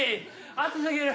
暑すぎる。